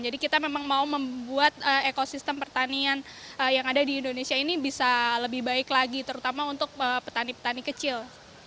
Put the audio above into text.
kita memang mau membuat ekosistem pertanian yang ada di indonesia ini bisa lebih baik lagi terutama untuk petani petani kecil